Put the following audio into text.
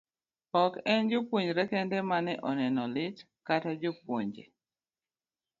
Ok en jopuonjre kende ma ne oneno lit, kata jopuonje